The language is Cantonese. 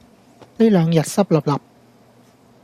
呢兩日濕立立